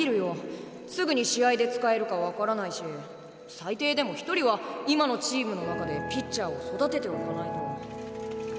すぐに試合で使えるか分からないし最低でも１人は今のチームの中でピッチャーを育てておかないと。